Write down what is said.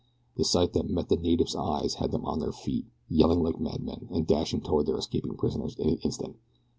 The sight that met the natives' eyes had them on their feet, yelling like madmen, and dashing toward their escaping prisoners, in an instant.